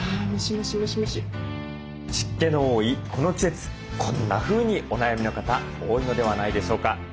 湿気の多いこの季節こんなふうにお悩みの方多いのではないでしょうか。